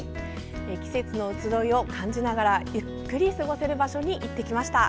季節の移ろいを感じながらゆっくり過ごせる場所に行ってきました。